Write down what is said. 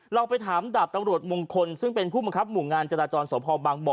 เราไปถามดาบตำรวจมงคลซึ่งเป็นผู้บังคับหมู่งานจราจรสพบางบ่อ